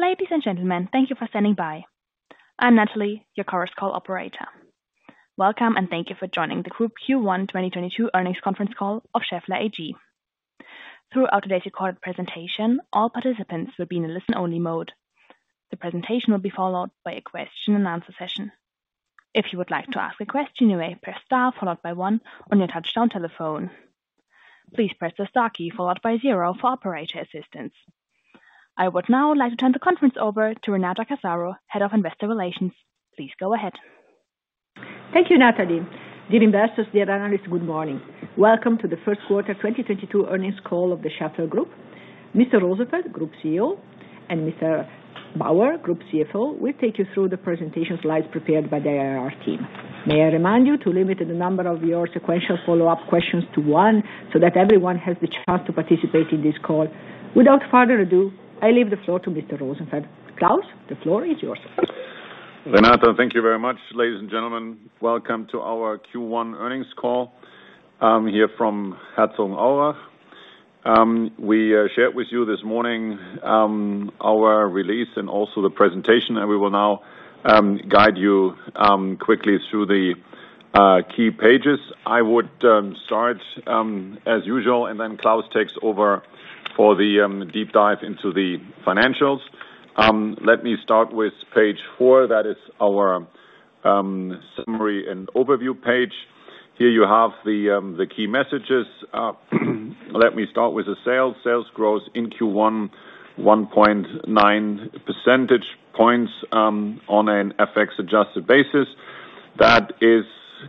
Ladies and gentlemen, thank you for standing by. I'm Natalie, your conference call operator. Welcome and thank you for joining the Group Q1 2022 earnings conference call of Schaeffler AG. Throughout today's recorded presentation, all participants will be in a listen-only mode. The presentation will be followed by a question and answer session. If you would like to ask a question, you may press star followed by one on your touchtone telephone. Please press the star key followed by zero for operator assistance. I would now like to turn the conference over to Renata Casaro, Head of Investor Relations. Please go ahead. Thank you, Natalie. Dear investors, dear analysts, good morning. Welcome to the first quarter 2022 earnings call of the Schaeffler Group. Mr. Rosenfeld, Group CEO, and Mr. Bauer, Group CFO, will take you through the presentation slides prepared by the IR team. May I remind you to limit the number of your sequential follow-up questions to one so that everyone has the chance to participate in this call. Without further ado, I leave the floor to Mr. Rosenfeld. Klaus, the floor is yours. Renata, thank you very much. Ladies and gentlemen, welcome to our Q1 earnings call here from Herzogenaurach. We shared with you this morning our release and also the presentation, and we will now guide you quickly through the key pages. I would start as usual, and then Klaus takes over for the deep dive into the financials. Let me start with page four. That is our summary and overview page. Here you have the key messages. Let me start with the sales. Sales growth in Q1, 1.9 percentage points on an FX adjusted basis. That is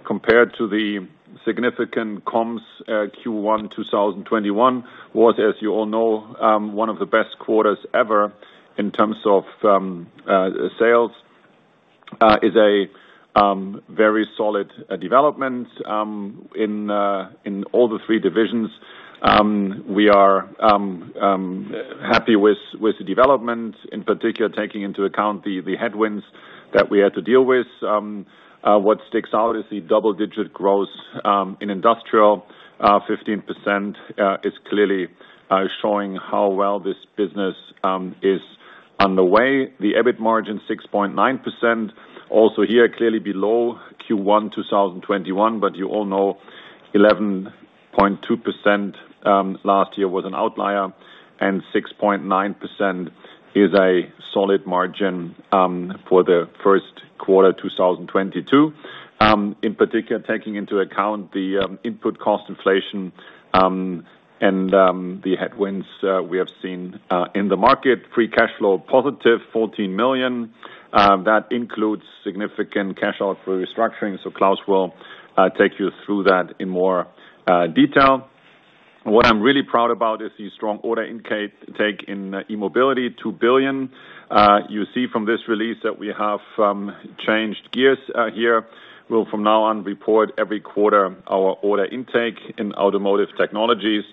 compared to the significant comps. Q1 2021 was, as you all know, one of the best quarters ever in terms of sales, is a very solid development in all three divisions. We are happy with the development, in particular, taking into account the headwinds that we had to deal with. What sticks out is the double-digit growth in Industrial, 15%, is clearly showing how well this business is on the way. The EBIT margin, 6.9%, also here clearly below Q1 2021. You all know 11.2% last year was an outlier, and 6.9% is a solid margin for the first quarter 2022. In particular, taking into account the input cost inflation and the headwinds we have seen in the market. Free cash flow positive 14 million. That includes significant cash out for restructuring, so Klaus will take you through that in more detail. What I'm really proud about is the strong order intake in E-Mobility, 2 billion. You see from this release that we have changed gears here. We'll from now on report every quarter our order intake in Automotive Technologies.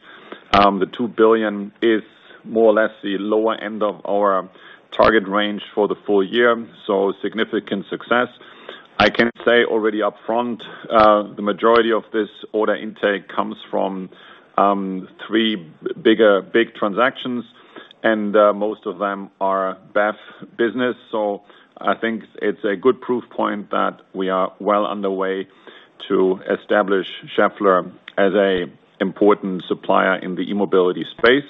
The 2 billion is more or less the lower end of our target range for the full year, so significant success. I can say already upfront, the majority of this order intake comes from three big transactions, and most of them are BEV business. I think it's a good proof point that we are well underway to establish Schaeffler as an important supplier in the E-Mobility space.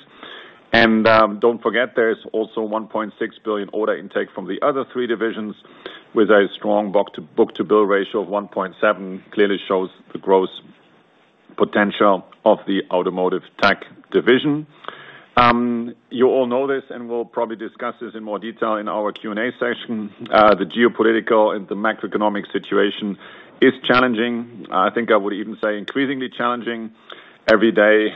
Don't forget there is also 1.6 billion order intake from the other three divisions with a strong book-to-bill ratio of 1.7, clearly shows the growth potential of the automotive tech division. You all know this, and we'll probably discuss this in more detail in our Q&A session. The geopolitical and the macroeconomic situation is challenging. I think I would even say increasingly challenging every day.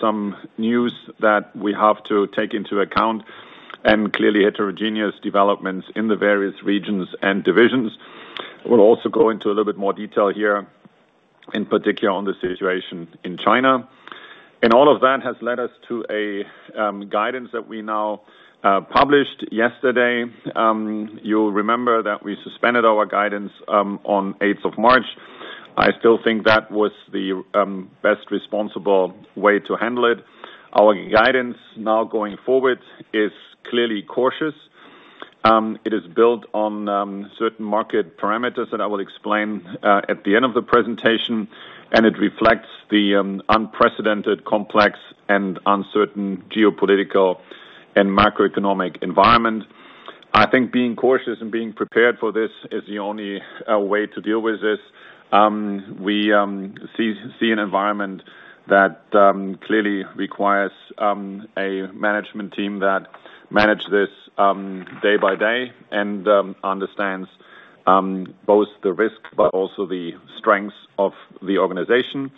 Some news that we have to take into account and clearly heterogeneous developments in the various regions and divisions. We'll also go into a little bit more detail here, in particular on the situation in China. All of that has led us to a guidance that we now published yesterday. You'll remember that we suspended our guidance on eighth of March. I still think that was the best responsible way to handle it. Our guidance now going forward is clearly cautious. It is built on certain market parameters that I will explain at the end of the presentation, and it reflects the unprecedented complex and uncertain geopolitical and macroeconomic environment. I think being cautious and being prepared for this is the only way to deal with this. We see an environment that clearly requires a management team that manage this day by day and understands both the risks but also the strengths of the organization.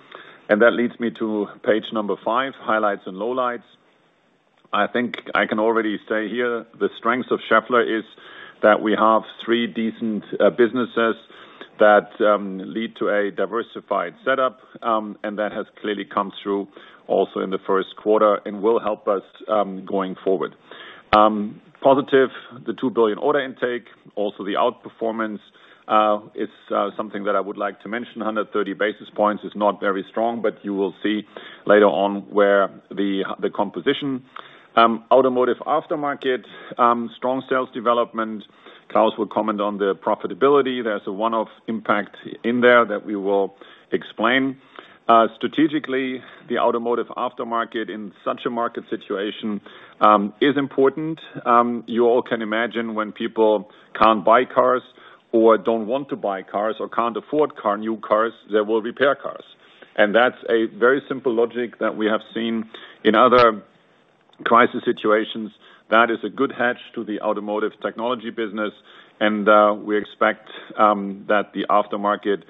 That leads me to page number five, highlights and lowlights. I think I can already say here the strength of Schaeffler is that we have three decent businesses that lead to a diversified setup, and that has clearly come through also in the first quarter and will help us going forward. Positive, the 2 billion order intake, also the outperformance is something that I would like to mention. 130 basis points is not very strong, but you will see later on where the composition. Automotive aftermarket strong sales development. Klaus will comment on the profitability. There's a one-off impact in there that we will explain. Strategically, the automotive aftermarket in such a market situation is important. You all can imagine when people can't buy cars or don't want to buy cars or can't afford new cars, they will repair cars. That's a very simple logic that we have seen in other crisis situations. That is a good hedge to the automotive technology business, and we expect that the aftermarket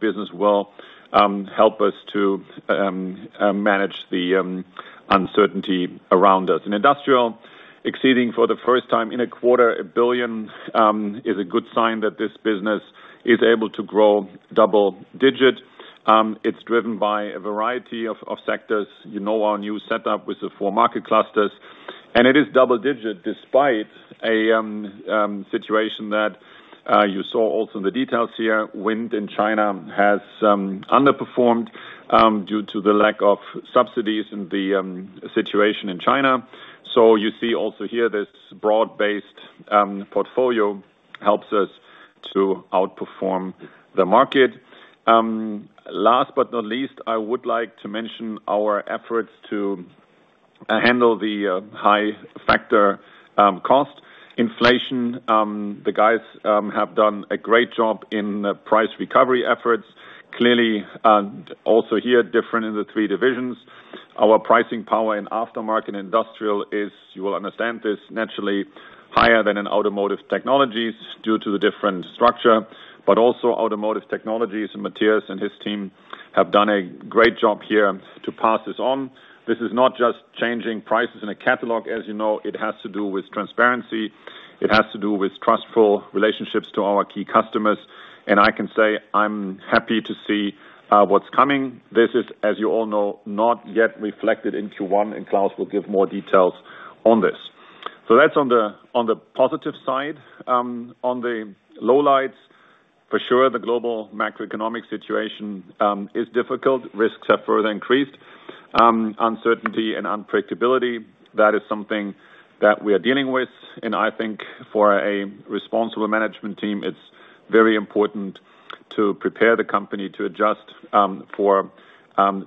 business will help us to manage the uncertainty around us. In Industrial, exceeding for the first time in a quarter 1 billion, is a good sign that this business is able to grow double-digit. It's driven by a variety of sectors. You know our new setup with the four market clusters. It is double-digit despite a situation that you saw also in the details here. Wind in China has underperformed due to the lack of subsidies and the situation in China. You see also here this broad-based portfolio helps us to outperform the market. Last but not least, I would like to mention our efforts to handle the high factor cost inflation. The guys have done a great job in price recovery efforts. Clearly, also here, different in the three divisions. Our pricing power in Aftermarket and Industrial is, you will understand this, naturally higher than in Automotive Technologies due to the different structure, but also Automotive Technologies, and Matthias and his team have done a great job here to pass this on. This is not just changing prices in a catalog, as you know. It has to do with transparency. It has to do with trustful relationships to our key customers, and I can say I'm happy to see what's coming. This is, as you all know, not yet reflected in Q1, and Klaus will give more details on this. That's on the positive side. On the lowlights, for sure, the global macroeconomic situation is difficult. Risks have further increased. Uncertainty and unpredictability, that is something that we are dealing with, and I think for a responsible management team, it's very important to prepare the company to adjust for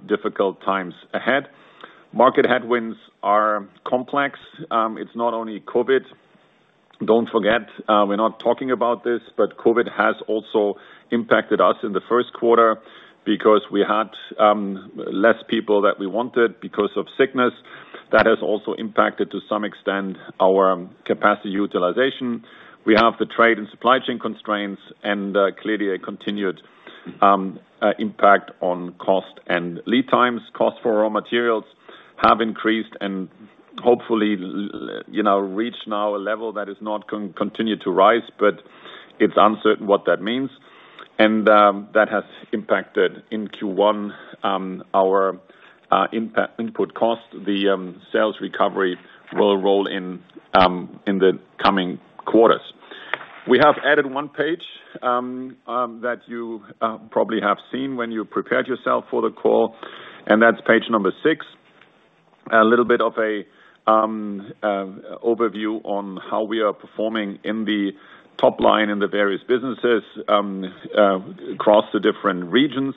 difficult times ahead. Market headwinds are complex. It's not only COVID. Don't forget, we're not talking about this, but COVID has also impacted us in the first quarter because we had less people that we wanted because of sickness. That has also impacted, to some extent, our capacity utilization. We have the trade and supply chain constraints and clearly a continued impact on cost and lead times. Costs for raw materials have increased and hopefully you know reached now a level that is not continue to rise, but it's uncertain what that means. That has impacted in Q1 our input cost. The sales recovery will roll in in the coming quarters. We have added one page that you probably have seen when you prepared yourself for the call, and that's page number 6. A little bit of a overview on how we are performing in the top line in the various businesses across the different regions.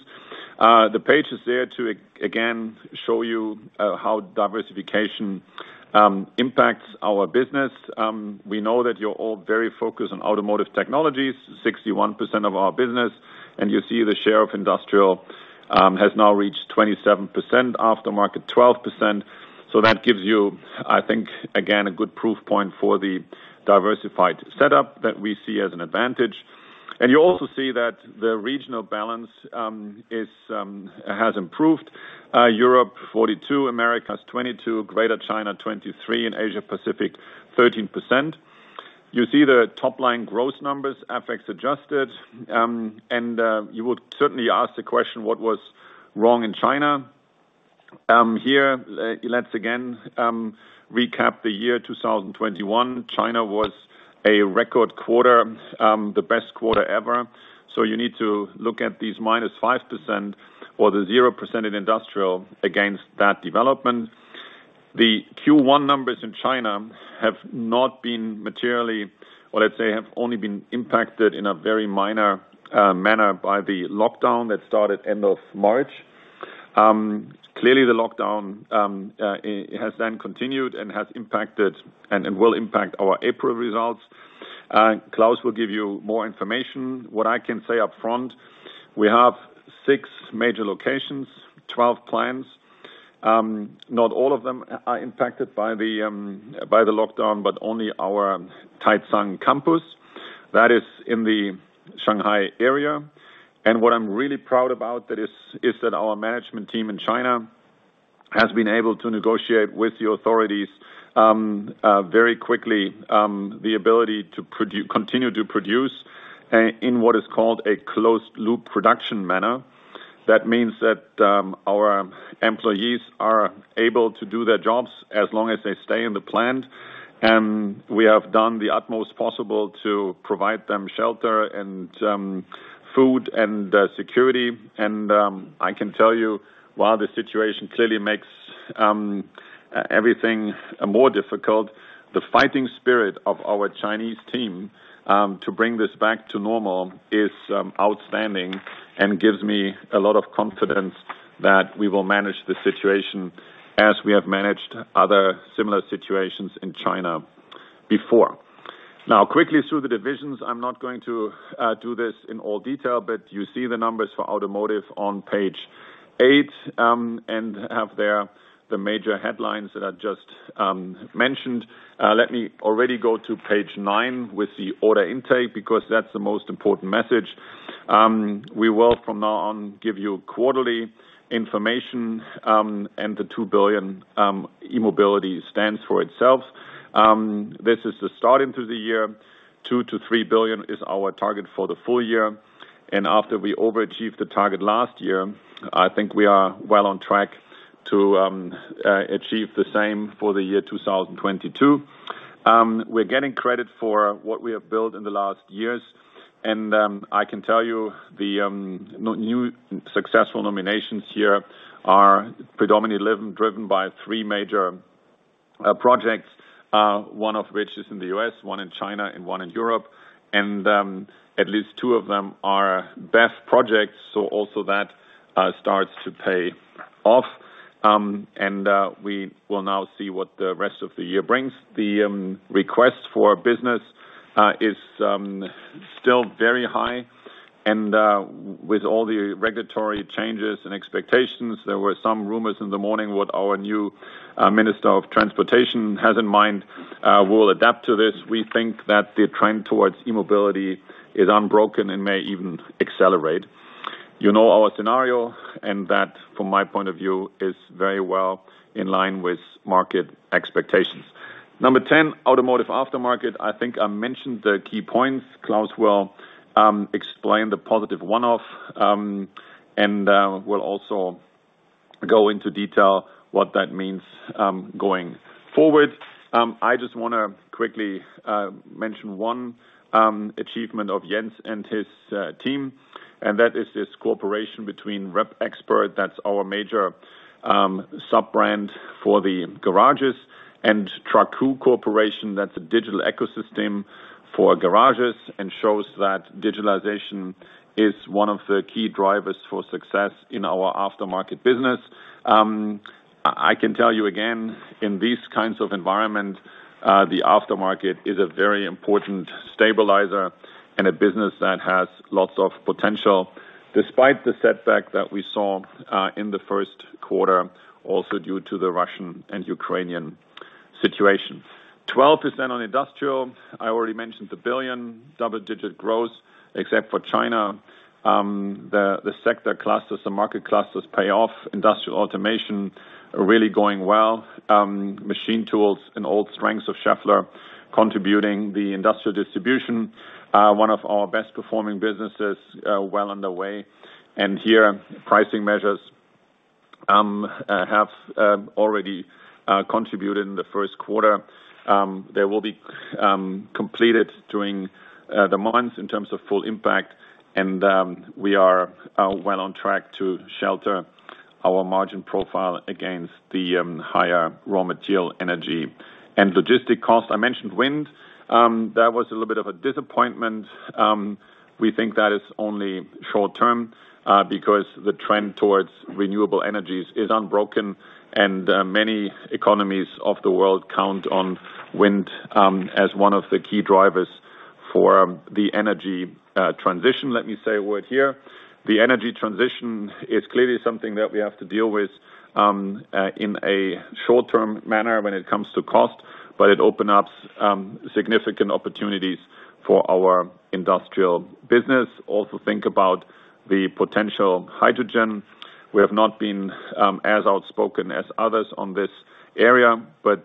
The page is there to again show you how diversification impacts our business. We know that you're all very focused on Automotive Technologies, 61% of our business, and you see the share of Industrial has now reached 27%, Aftermarket 12%. That gives you, I think, again, a good proof point for the diversified setup that we see as an advantage. You also see that the regional balance has improved. Europe 42, Americas 22, Greater China 23, and Asia Pacific 13%. You see the top-line growth numbers, FX adjusted, and you will certainly ask the question, "What was wrong in China?" Here, let's again recap the year 2021. China was a record quarter, the best quarter ever. You need to look at these -5% or the 0% in Industrial against that development. The Q1 numbers in China have not been materially, or let's say, have only been impacted in a very minor manner by the lockdown that started end of March. Clearly the lockdown, it has then continued and has impacted and will impact our April results. Klaus will give you more information. What I can say up front, we have six major locations, 12 plants. Not all of them are impacted by the lockdown, but only our Taicang campus. That is in the Shanghai area. What I'm really proud about that is that our management team in China has been able to negotiate with the authorities very quickly the ability to continue to produce in what is called a closed loop production manner. That means that our employees are able to do their jobs as long as they stay in the plant. We have done the utmost possible to provide them shelter and food and security. I can tell you, while the situation clearly makes everything more difficult, the fighting spirit of our Chinese team to bring this back to normal is outstanding and gives me a lot of confidence that we will manage the situation as we have managed other similar situations in China before. Now, quickly through the divisions. I'm not going to do this in all detail, but you see the numbers for Automotive on page eight and have there the major headlines that I just mentioned. Let me already go to page nine with the order intake because that's the most important message. We will from now on give you quarterly information, and the 2 billion E-Mobility stands for itself. This is the start into the year. 2-3 billion is our target for the full year. After we overachieved the target last year, I think we are well on track to achieve the same for the year 2022. We're getting credit for what we have built in the last years. I can tell you the new successful nominations here are predominantly live and driven by three major projects, one of which is in the U.S., one in China, and one in Europe. At least two of them are best projects. Also that starts to pay off. We will now see what the rest of the year brings. The request for business is still very high. With all the regulatory changes and expectations, there were some rumors in the morning what our new minister of transportation has in mind. We will adapt to this. We think that the trend towards E-Mobility is unbroken and may even accelerate. You know our scenario, and that, from my point of view, is very well in line with market expectations. Number 10, Automotive Aftermarket. I think I mentioned the key points. Klaus will explain the positive one-off and will also go into detail what that means going forward. I just wanna quickly mention one achievement of Jens and his team, and that is this cooperation between REPXPERT, that's our major sub-brand for the garages, and truckoo GmbH, that's a digital ecosystem for garages and shows that digitalization is one of the key drivers for success in our aftermarket business. I can tell you again, in these kinds of environment, the aftermarket is a very important stabilizer and a business that has lots of potential despite the setback that we saw in the first quarter, also due to the Russian and Ukrainian situation. 12% on Industrial. I already mentioned the billion double-digit growth, except for China. The sector clusters, the market clusters pay off. Industrial automation really going well. Machine tools and old strengths of Schaeffler contributing the industrial distribution. One of our best performing businesses, well underway. Here, pricing measures have already contributed in the first quarter. They will be completed during the months in terms of full impact, and we are well on track to shelter our margin profile against the higher raw material, energy, and logistic costs. I mentioned wind. That was a little bit of a disappointment. We think that is only short term, because the trend towards renewable energies is unbroken, and many economies of the world count on wind as one of the key drivers for the energy transition. Let me say a word here. The energy transition is clearly something that we have to deal with in a short-term manner when it comes to cost, but it opens up significant opportunities for our industrial business. Think about the potential hydrogen. We have not been as outspoken as others on this area, but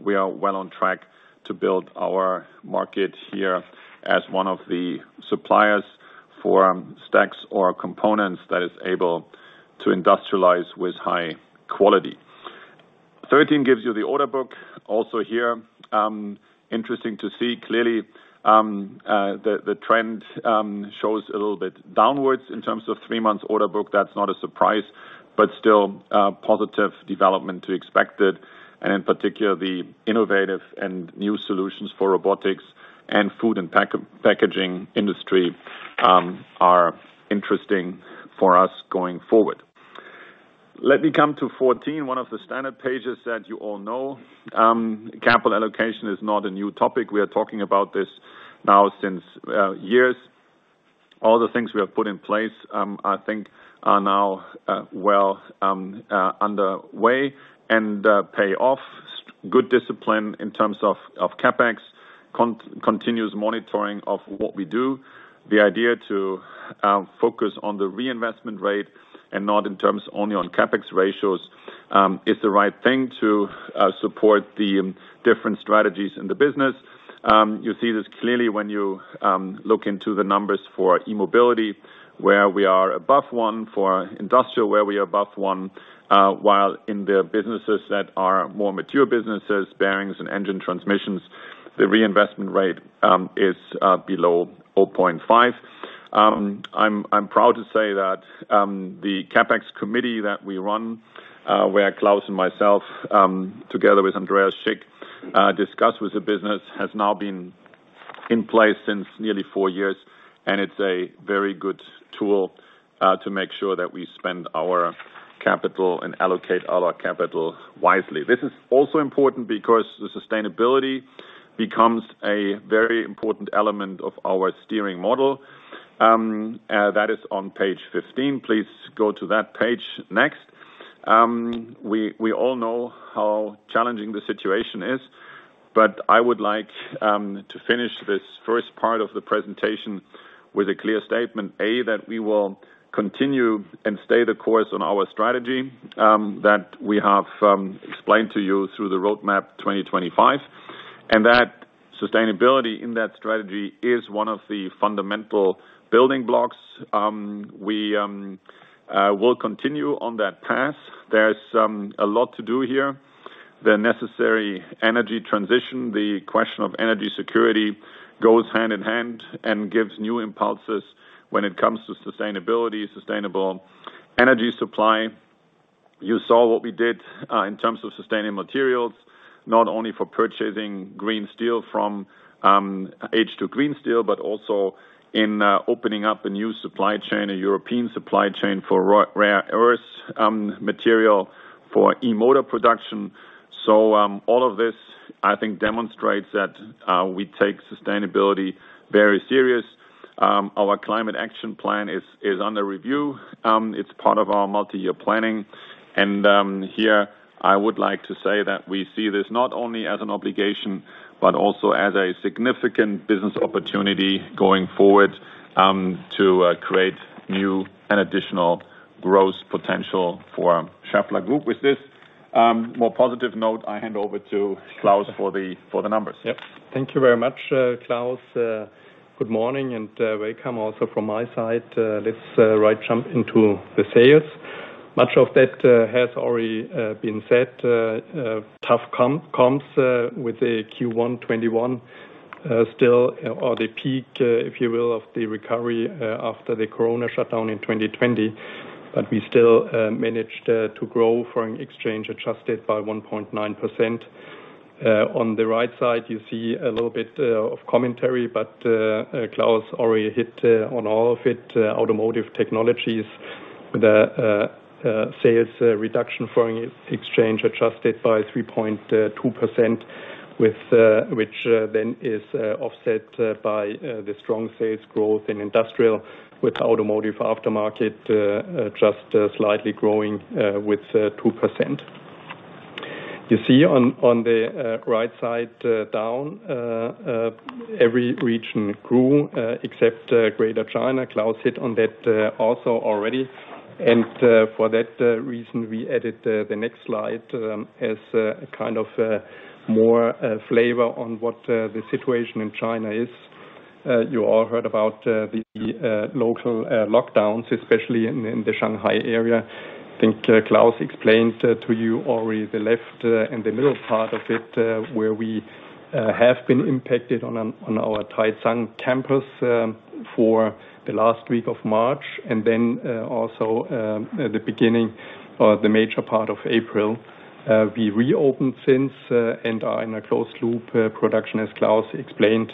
we are well on track to build our market here as one of the suppliers for stacks or components that is able to industrialize with high quality. 13 gives you the order book. Here, interesting to see. Clearly, the trend shows a little bit downwards in terms of three-month order book. That's not a surprise, but still, positive development than expected. In particular, the innovative and new solutions for robotics and food and packaging industry are interesting for us going forward. Let me come to 14, one of the standard pages that you all know. Capital allocation is not a new topic. We are talking about this now since years. All the things we have put in place, I think are now, well, underway and pay off. Good discipline in terms of CapEx, continuous monitoring of what we do. The idea to focus on the reinvestment rate and not in terms only on CapEx ratios is the right thing to support the different strategies in the business. You see this clearly when you look into the numbers for E-Mobility, where we are above 1 for industrial, where we are above 1, while in the businesses that are more mature businesses, bearings and engine transmissions, the reinvestment rate is below 4.5. I'm proud to say that the CapEx committee that we run, where Klaus and myself together with Andreas Schick discuss with the business, has now been in place since nearly four years, and it's a very good tool to make sure that we spend our capital and allocate our capital wisely. This is also important because the sustainability becomes a very important element of our steering model. That is on page 15. Please go to that page next. We all know how challenging the situation is, but I would like to finish this first part of the presentation with a clear statement, a, that we will continue and stay the course on our strategy, that we have explained to you through the roadmap 2025, and that sustainability in that strategy is one of the fundamental building blocks. We will continue on that path. There's a lot to do here. The necessary energy transition, the question of energy security goes hand in hand and gives new impulses when it comes to sustainability, sustainable energy supply. You saw what we did in terms of sustainable materials, not only for purchasing green steel from H2 Green Steel, but also in opening up a new supply chain, a European supply chain, for rare earth material for e-motor production. All of this, I think, demonstrates that we take sustainability very serious. Our climate action plan is under review. It's part of our multi-year planning, and here, I would like to say that we see this not only as an obligation, but also as a significant business opportunity going forward, to create new and additional growth potential for Schaeffler Group. With this more positive note, I hand over to Klaus for the numbers. Yep. Thank you very much, Klaus. Good morning, and welcome also from my side. Let's jump right into the sales. Much of that has already been said, tough comps with the Q1 2021, still the peak, if you will, of the recovery after the Corona shutdown in 2020. We still managed to grow foreign exchange adjusted by 1.9%. On the right side, you see a little bit of commentary, but Klaus already hit on all of it. Automotive Technologies with sales reduction FX-adjusted by 3.2% with which then is offset by the strong sales growth in Industrial with Automotive Aftermarket just slightly growing with 2%. You see on the right side down every region grew except Greater China. Klaus hit on that also already. For that reason, we added the next slide as a kind of more flavor on what the situation in China is. You all heard about the local lockdowns, especially in the Shanghai area. I think Klaus explained to you already the left and the middle part of it, where we have been impacted on our Taicang campus for the last week of March and then also at the beginning or the major part of April. We reopened since and are in a closed loop production, as Klaus explained,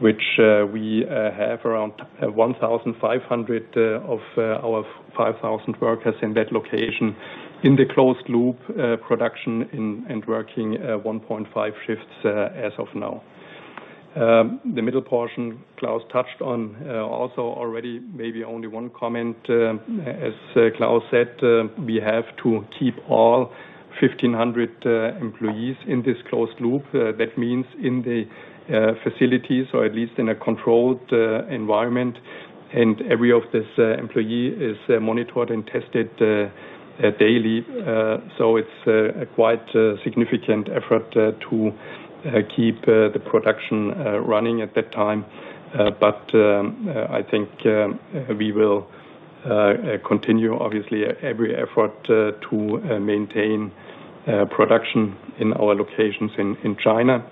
which we have around 1,500 of our 5,000 workers in that location in the closed loop production and working 1.5 shifts as of now. The middle portion Klaus touched on also already maybe only one comment. As Klaus said, we have to keep all 1,500 employees in this closed loop. That means in the facilities or at least in a controlled environment, and every one of these employees is monitored and tested daily. It's a quite significant effort to keep the production running at that time. I think we will continue obviously every effort to maintain production in our locations in China.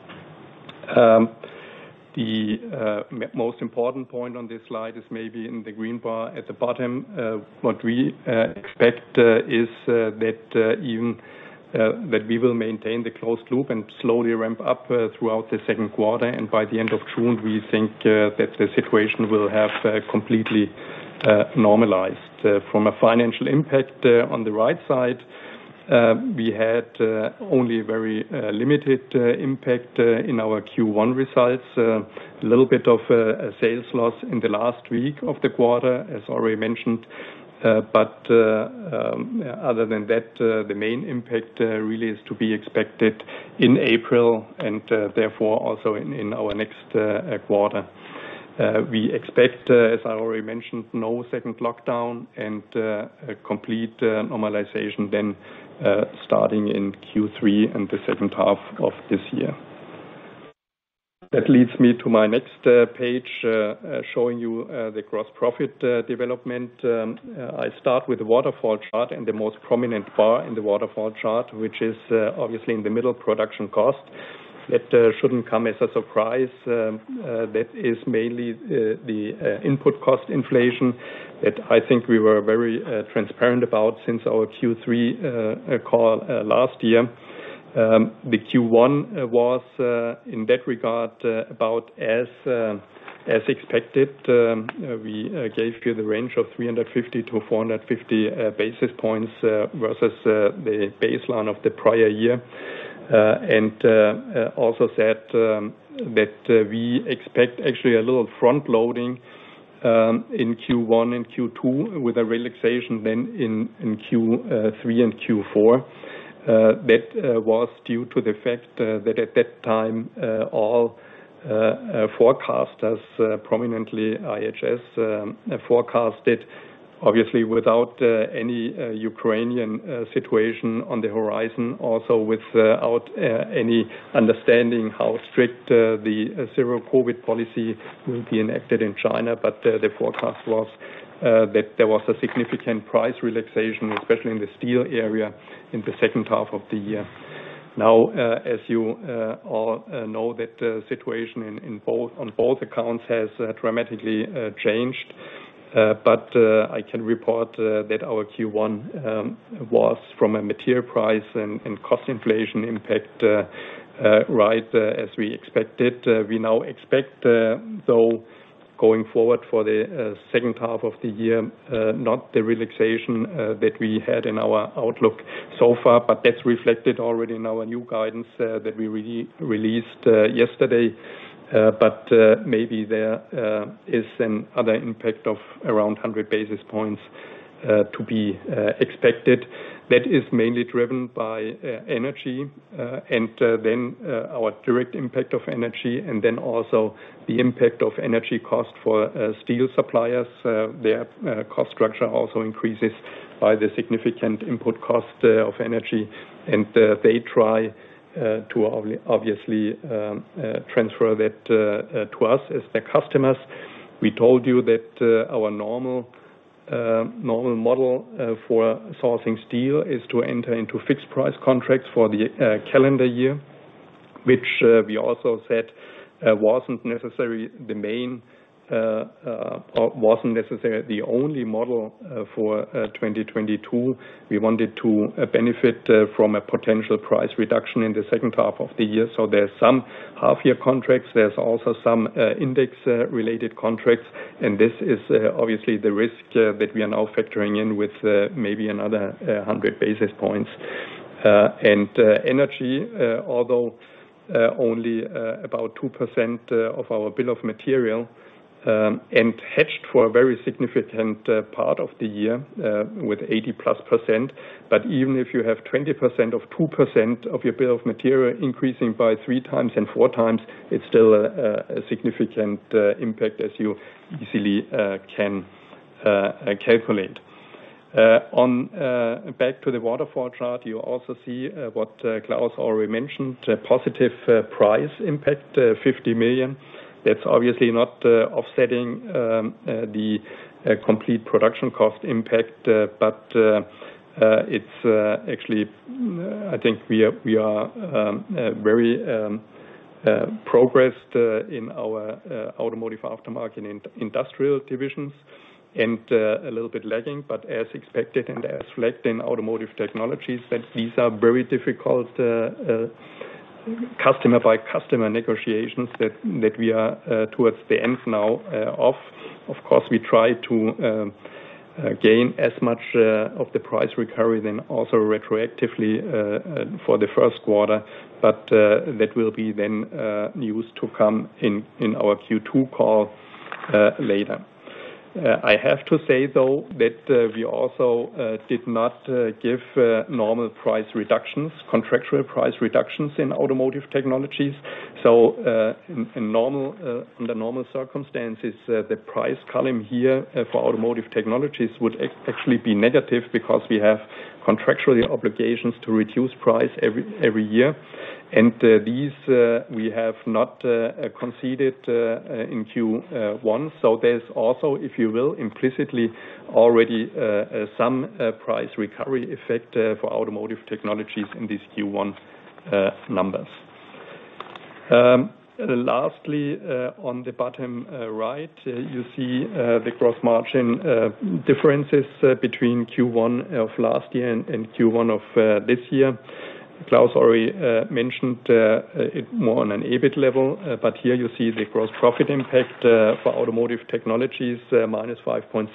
The most important point on this slide is maybe in the green bar at the bottom. What we expect is that even that we will maintain the closed loop and slowly ramp up throughout the second quarter, and by the end of June, we think that the situation will have completely normalized. From a financial impact, on the right side, we had only very limited impact in our Q1 results. A little bit of a sales loss in the last week of the quarter, as already mentioned. Other than that, the main impact really is to be expected in April and therefore also in our next quarter. We expect, as I already mentioned, no second lockdown and a complete normalization then starting in Q3 and the second half of this year. That leads me to my next page showing you the gross profit development. I start with the waterfall chart, and the most prominent bar in the waterfall chart, which is obviously in the middle production cost. That shouldn't come as a surprise. That is mainly the input cost inflation that I think we were very transparent about since our Q3 call last year. The Q1 was in that regard about as expected. We gave you the range of 350-450 basis points versus the baseline of the prior year. Also said that we expect actually a little front-loading in Q1 and Q2 with a relaxation then in Q3 and Q4. That was due to the fact that at that time, all forecasters, prominently IHS, forecasted, obviously, without any Ukrainian situation on the horizon, also without any understanding how strict the zero-COVID policy will be enacted in China. The forecast was that there was a significant price relaxation, especially in the steel area, in the second half of the year. Now, as you all know, that the situation on both accounts has dramatically changed. I can report that our Q1 was, from a material price and cost inflation impact, right as we expected. We now expect, though, going forward for the second half of the year, not the relaxation that we had in our outlook so far, but that's reflected already in our new guidance that we released yesterday. Maybe there is another impact of around 100 basis points to be expected that is mainly driven by energy, and then our direct impact of energy and then also the impact of energy cost for steel suppliers. Their cost structure also increases by the significant input cost of energy, and they try to obviously transfer that to us as their customers. We told you that our normal model for sourcing steel is to enter into fixed price contracts for the calendar year, which we also said wasn't necessarily the main or the only model for 2022. We wanted to benefit from a potential price reduction in the second half of the year. There's some half-year contracts. There's also some index related contracts. This is obviously the risk that we are now factoring in with maybe another 100 basis points and energy, although only about 2% of our bill of material and hedged for a very significant part of the year with 80%+. Even if you have 20% of 2% of your bill of material increasing by 3 times and 4 times, it's still a significant impact as you easily can calculate. Now, back to the waterfall chart, you also see what Klaus already mentioned, a positive price impact, 50 million. That's obviously not offsetting the complete production cost impact, but it's actually, I think we are very progressed in our Automotive Aftermarket and Industrial divisions and a little bit lagging, but as expected, and as reflected in Automotive Technologies, that these are very difficult customer-by-customer negotiations that we are towards the end now of. Of course, we try to gain as much of the price recovery then also retroactively for the first quarter. That will be then news to come in our Q2 call later. I have to say, though, that we also did not give normal price reductions, contractual price reductions in Automotive Technologies. In normal, under normal circumstances, the price column here for Automotive Technologies would actually be negative because we have contractual obligations to reduce price every year. These, we have not conceded in Q1. There's also, if you will, implicitly already some price recovery effect for Automotive Technologies in these Q1 numbers. Lastly, on the bottom right, you see the gross margin differences between Q1 of last year and Q1 of this year. Klaus already mentioned it more on an EBIT level, but here you see the gross profit impact for Automotive Technologies, minus 5.6%.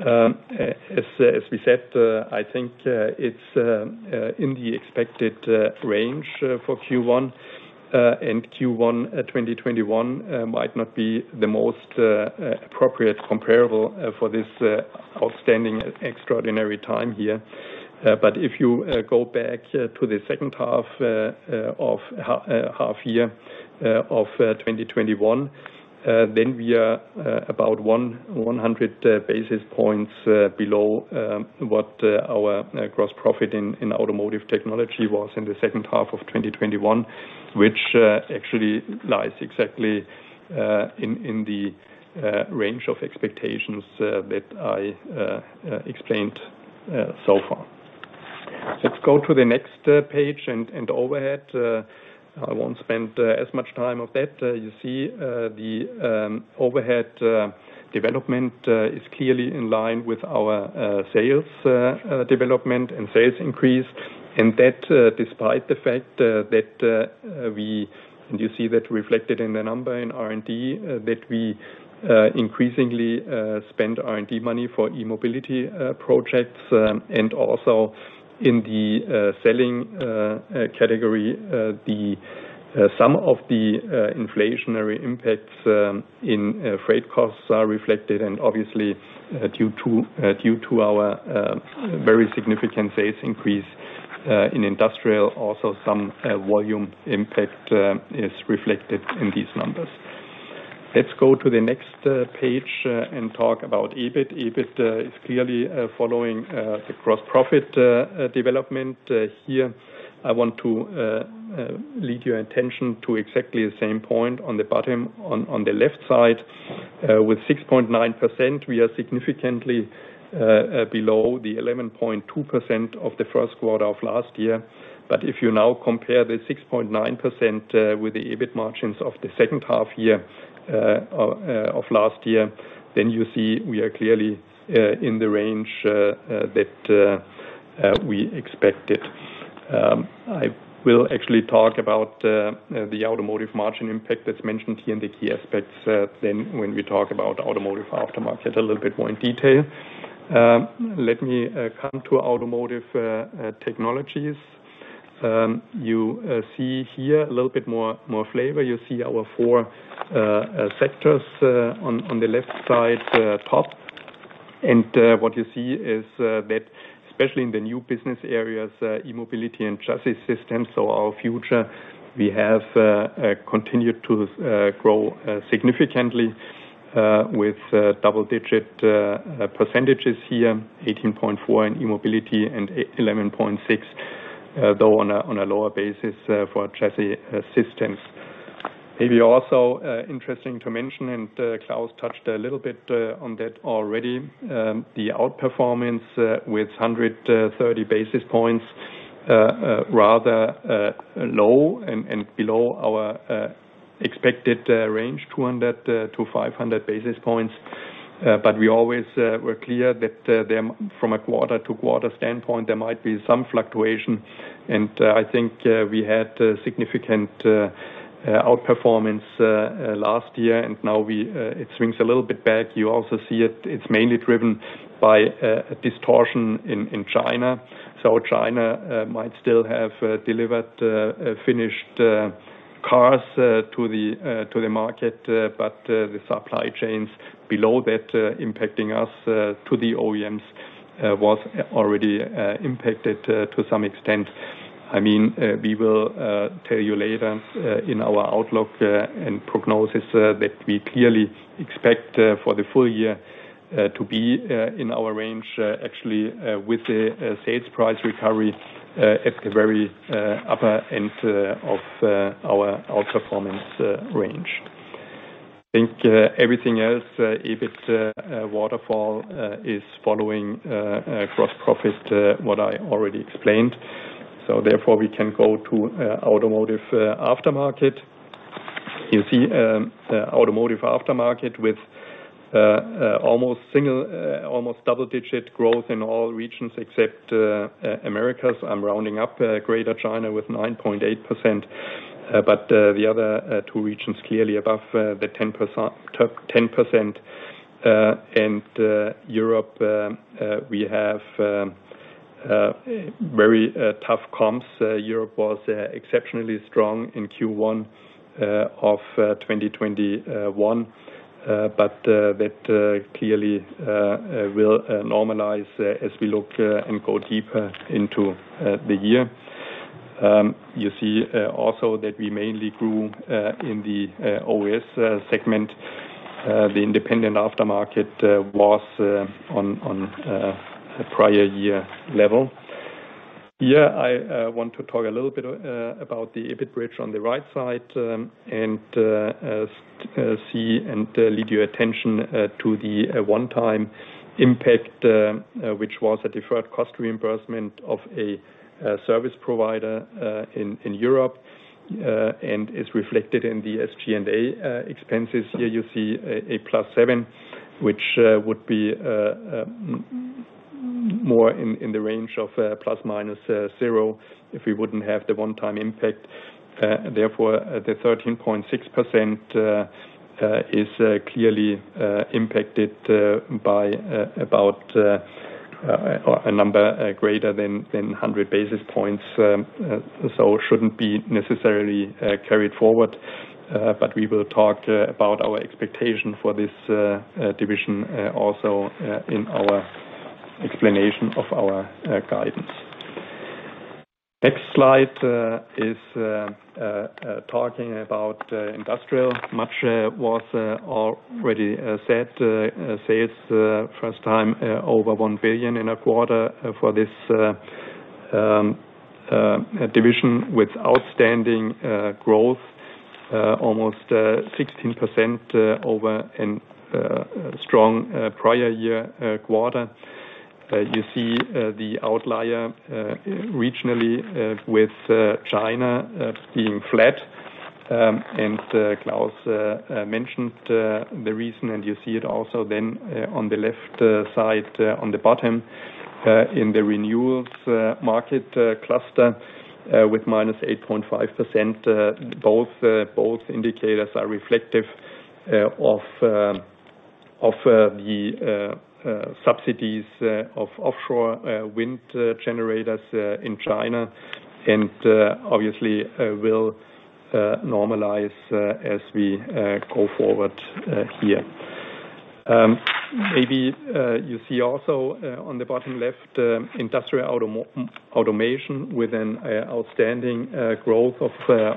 As we said, I think it's in the expected range for Q1. Q1 2021 might not be the most appropriate comparable for this outstanding extraordinary time here. If you go back to the second half-year of 2021, then we are about 100 basis points below what our gross profit in Automotive Technologies was in the second half of 2021, which actually lies exactly in the range of expectations that I explained so far. Let's go to the next page and overhead. I won't spend as much time on that. You see, the overhead development is clearly in line with our sales development and sales increase. That despite the fact that you see that reflected in the number in R&D that we increasingly spend R&D money for e-mobility projects. Also in the SG&A category some of the inflationary impacts in freight costs are reflected, and obviously due to our very significant sales increase in industrial also some volume impact is reflected in these numbers. Let's go to the next page and talk about EBIT. EBIT is clearly following the gross profit development. Here I want to draw your attention to exactly the same point on the bottom on the left side. With 6.9%, we are significantly below the 11.2% of the first quarter of last year. If you now compare the 6.9% with the EBIT margins of the second half of last year, then you see we are clearly in the range that we expected. I will actually talk about the automotive margin impact that's mentioned here in the key aspects, then when we talk about Automotive Aftermarket a little bit more in detail. Let me come to Automotive Technologies. You see here a little bit more flavor. You see our four sectors on the left side top. What you see is that especially in the new business areas, E-Mobility and chassis systems, so our future, we have continued to grow significantly with double-digit percentages here, 18.4% in E-Mobility and 11.6%, though on a lower basis for chassis systems. Maybe also interesting to mention, Klaus touched a little bit on that already, the outperformance with 130 basis points, rather low and below our expected range, 200-500 basis points. We always were clear that there, from a quarter-to-quarter standpoint, there might be some fluctuation. I think we had significant outperformance last year, and now it swings a little bit back. You also see it's mainly driven by distortion in China. China might still have delivered finished cars to the market, but the supply chains below that impacting us to the OEMs was already impacted to some extent. I mean, we will tell you later in our outlook and prognosis that we clearly expect for the full year to be in our range, actually, with the sales price recovery at the very upper end of our outperformance range. I think everything else, EBIT, waterfall, is following gross profit, what I already explained. Therefore we can go to Automotive Aftermarket. You see Automotive Aftermarket with almost double-digit growth in all regions except Americas. I'm rounding up Greater China with 9.8%, but the other two regions clearly above the 10%. Europe we have very tough comps. Europe was exceptionally strong in Q1 of 2021. That clearly will normalize as we look and go deeper into the year. You see also that we mainly grew in the OES segment. The independent aftermarket was on a prior year level. Here I want to talk a little bit about the EBIT bridge on the right side, and lead your attention to the one-time impact, which was a deferred cost reimbursement of a service provider in Europe, and is reflected in the SG&A expenses. Here you see a +7%, which would be more in the range of ±0 if we wouldn't have the one-time impact. Therefore, the 13.6% is clearly impacted by about a number greater than 100 basis points, so shouldn't be necessarily carried forward. We will talk about our expectation for this division also in our explanation of our guidance. Next slide is talking about industrial. Much was already said. Sales first time over 1 billion in a quarter for this division with outstanding growth almost 16% over a strong prior year quarter. You see the outlier regionally with China being flat. Klaus mentioned the reason, and you see it also then on the left side on the bottom in the renewables market cluster with -8.5%. Both indicators are reflective of the subsidies of offshore wind generators in China, and obviously will normalize as we go forward here. Maybe you see also on the bottom left, industrial automation with an outstanding growth of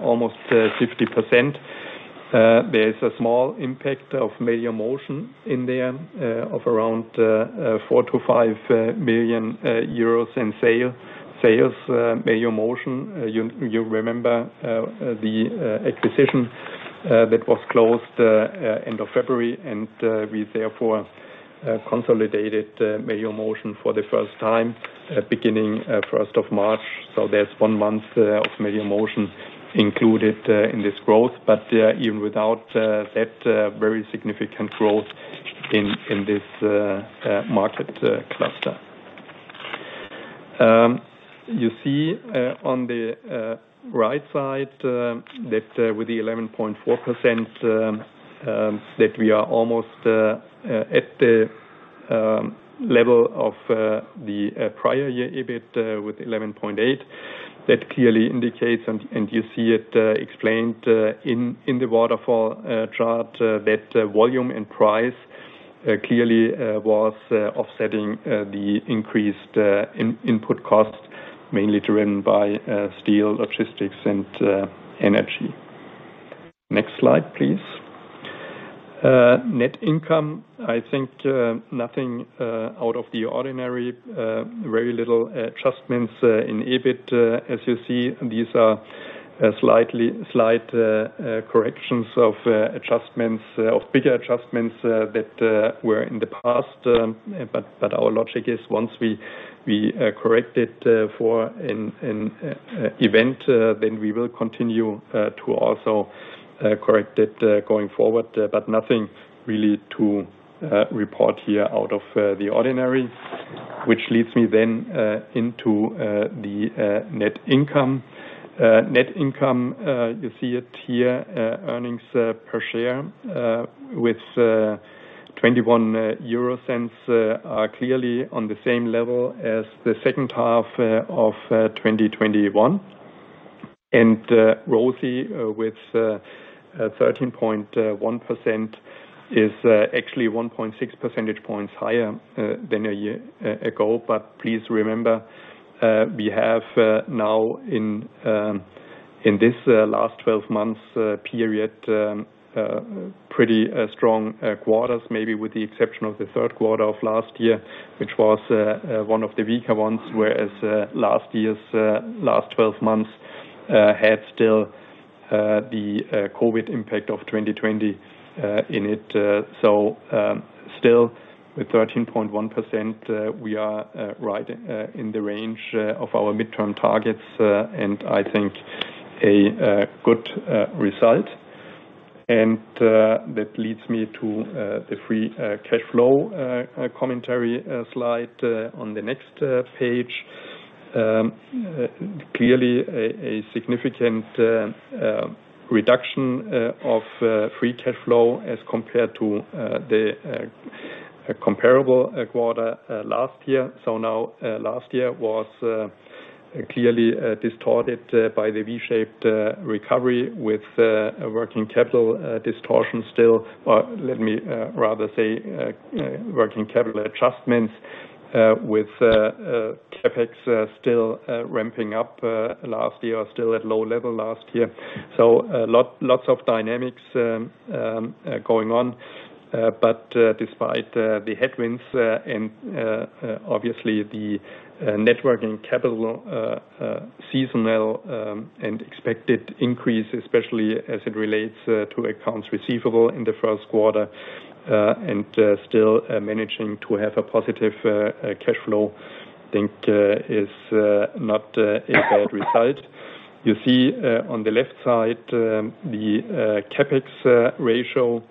almost 50%. There is a small impact of Melior Motion in there, of around 4 million-5 million euros in sales. Melior Motion, you remember the acquisition that was closed end of February, and we therefore consolidated Melior Motion for the first time beginning first of March. There's one month of Melior Motion included in this growth, but even without that very significant growth in this market cluster. You see on the right side that with the 11.4% that we are almost at the level of the prior year EBIT with 11.8%. That clearly indicates, you see it explained in the waterfall chart that volume and price clearly was offsetting the increased input costs, mainly driven by steel, logistics, and energy. Next slide, please. Net income, I think, nothing out of the ordinary. Very little adjustments in EBIT, as you see. These are slight corrections of adjustments of bigger adjustments that were in the past. Our logic is once we correct it for an event, then we will continue to also correct it going forward. But nothing really to report here out of the ordinary. Which leads me into the net income. Net income, you see it here, earnings per share with 0.21 are clearly on the same level as the second half of 2021. ROSI with 13.1% is actually 1.6 percentage points higher than a year ago. Please remember, we have now in this last twelve months period pretty strong quarters, maybe with the exception of the third quarter of last year, which was one of the weaker ones. Whereas last year's last twelve months had still the COVID impact of 2020 in it. Still with 13.1%, we are right in the range of our midterm targets, and I think a good result. That leads me to the free cash flow commentary slide on the next page. Clearly a significant reduction of free cash flow as compared to the comparable quarter last year. Now, last year was clearly distorted by the V-shaped recovery with a working capital distortion still. Let me rather say working capital adjustments with CapEx still ramping up last year, still at low level last year. A lot of dynamics going on. Despite the headwinds and obviously the net working capital seasonal and expected increase, especially as it relates to accounts receivable in the first quarter, and still managing to have a positive cash flow, I think is not a bad result. You see, on the left side, the CapEx ratio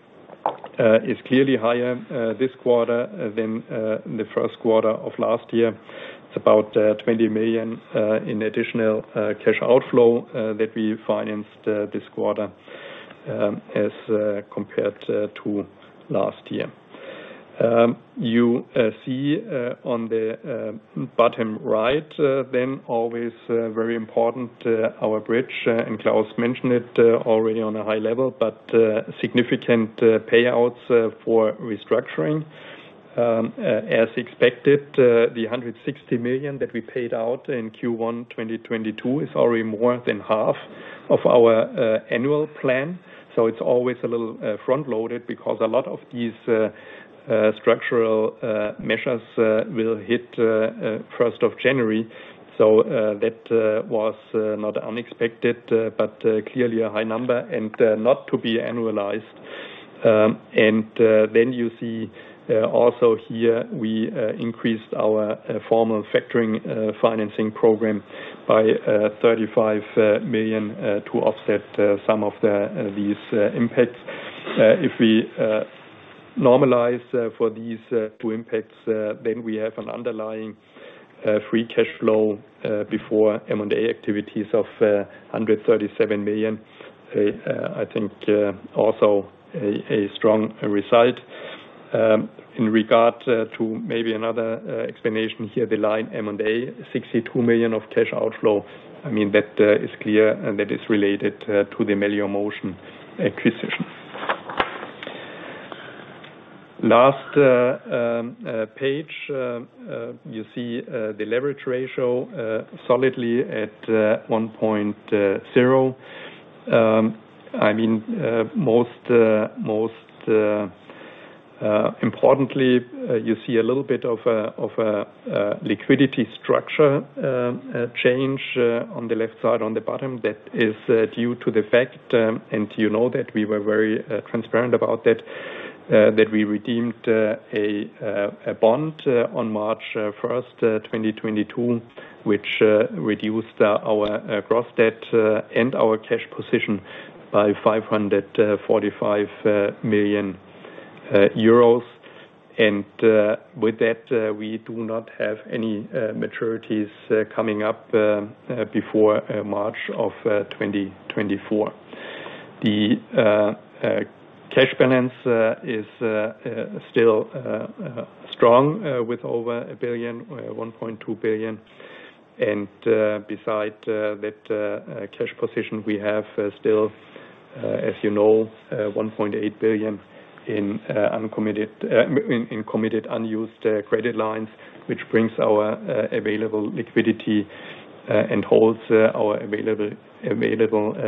is clearly higher this quarter than the first quarter of last year. It's about 20 million in additional cash outflow that we financed this quarter as compared to last year. You see on the bottom right then always very important our bridge and Klaus mentioned it already on a high level but significant payouts for restructuring. As expected the 160 million that we paid out in Q1 2022 is already more than half of our annual plan. It's always a little front-loaded because a lot of these structural measures will hit first of January. That was not unexpected but clearly a high number and not to be annualized. You see, also here we increased our formal factoring financing program by 35 million to offset some of the these impacts. If we normalize for these two impacts, then we have an underlying free cash flow before M&A activities of 137 million. I think also a strong result. In regard to maybe another explanation here, the line M&A, 62 million of cash outflow. I mean, that is clear, and that is related to the Melior Motion acquisition. Last page, you see the leverage ratio solidly at 1.0. I mean, most importantly, you see a little bit of a liquidity structure change on the left side on the bottom. That is due to the fact, and you know that we were very transparent about that we redeemed a bond on March first, 2022, which reduced our gross debt and our cash position by 545 million euros. With that, we do not have any maturities coming up before March of 2024. The cash balance is still strong with over 1 billion, 1.2 billion. Besides that cash position, we have still, as you know, 1.8 billion in uncommitted and committed unused credit lines, which brings our available liquidity and holds our available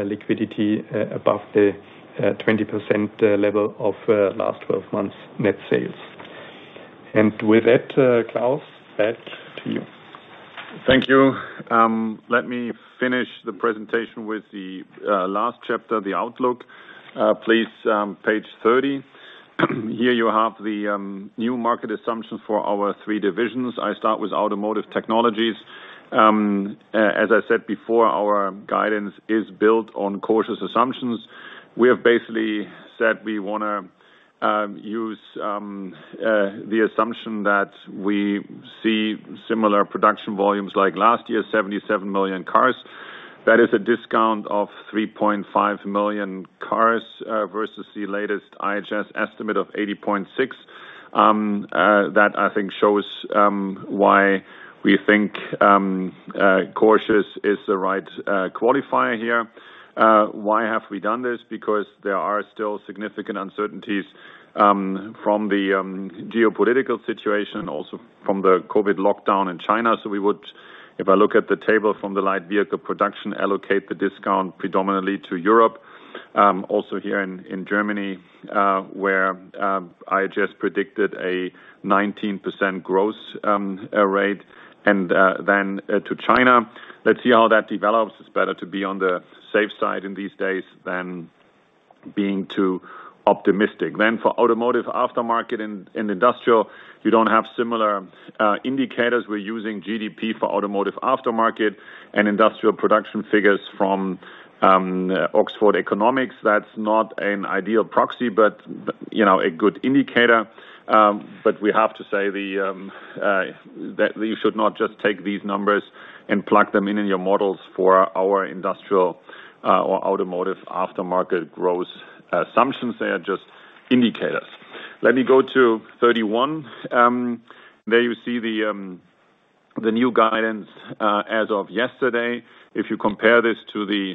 liquidity above the 20% level of last twelve months net sales. With that, Klaus, back to you. Thank you. Let me finish the presentation with the last chapter, the outlook. Please, page 30. Here you have the new market assumption for our three divisions. I start with Automotive Technologies. As I said before, our guidance is built on cautious assumptions. We have basically said we wanna use the assumption that we see similar production volumes like last year, 77 million cars. That is a discount of 3.5 million cars versus the latest IHS estimate of 80.6. That I think shows why we think cautious is the right qualifier here. Why have we done this? Because there are still significant uncertainties from the geopolitical situation, also from the COVID lockdown in China. We would, if I look at the table from the light vehicle production, allocate the discount predominantly to Europe. Also here in Germany, where IHS predicted a 19% growth rate and then to China. Let's see how that develops. It's better to be on the safe side in these days than being too optimistic. For automotive aftermarket and industrial, you don't have similar indicators. We're using GDP for automotive aftermarket and industrial production figures from Oxford Economics. That's not an ideal proxy, but, you know, a good indicator. But we have to say that you should not just take these numbers and plug them in your models for our industrial or automotive aftermarket growth assumptions. They are just indicators. Let me go to 31. There you see the new guidance as of yesterday. If you compare this to the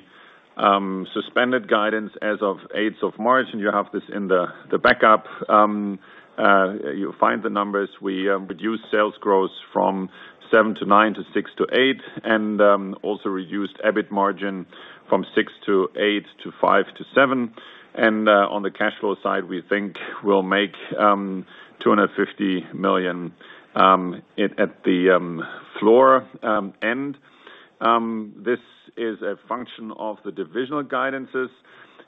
suspended guidance as of 8th of March, and you have this in the backup, you'll find the numbers. We reduced sales growth from 7%-9% to 6%-8%, and also reduced EBIT margin from 6%-8% to 5%-7%. On the cash flow side, we think we'll make 250 million at the floor end. This is a function of the divisional guidances.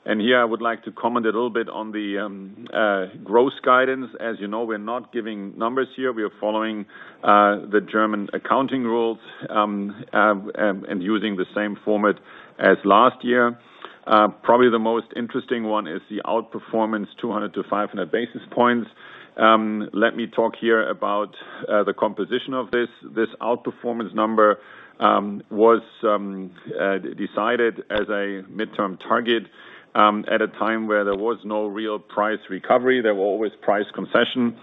Here I would like to comment a little bit on the growth guidance. As you know, we're not giving numbers here. We are following the German accounting rules and using the same format as last year. Probably the most interesting one is the outperformance, 200-500 basis points. Let me talk here about the composition of this. This outperformance number was decided as a midterm target at a time where there was no real price recovery. There were always price concessions.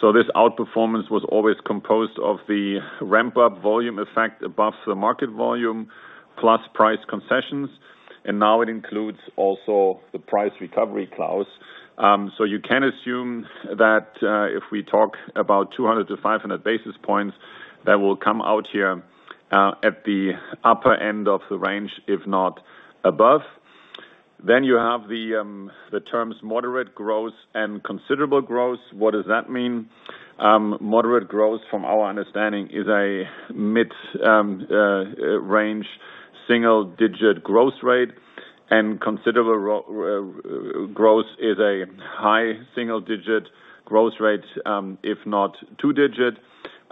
So this outperformance was always composed of the ramp-up volume effect above the market volume, plus price concessions, and now it includes also the price recovery clause. You can assume that if we talk about 200-500 basis points, that will come out here at the upper end of the range, if not above. You have the terms moderate growth and considerable growth. What does that mean? Moderate growth, from our understanding, is a mid-range single-digit growth rate, and considerable growth is a high single-digit growth rate, if not two-digit.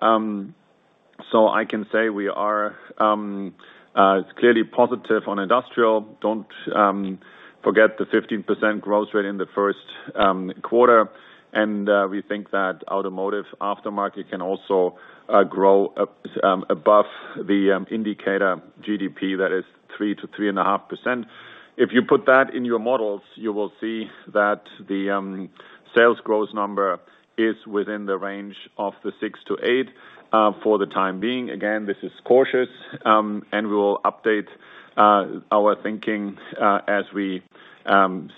I can say we are clearly positive on Industrial. Don't forget the 15% growth rate in the first quarter. We think that Automotive Aftermarket can also grow up above the indicator GDP that is 3%-3.5%. If you put that in your models, you will see that the sales growth number is within the range of the 6%-8% for the time being. Again, this is cautious, and we will update our thinking as we